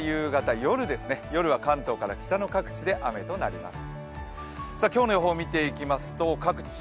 夜は関東から北の各地で雨となります。